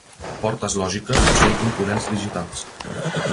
Portes lògiques són components digitals.